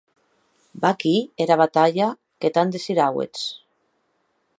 Vaquí era batalha que tant desiràuetz.